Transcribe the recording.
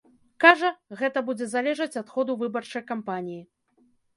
Кажа, гэта будзе залежаць ад ходу выбарчай кампаніі.